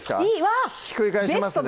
ひっくり返しますね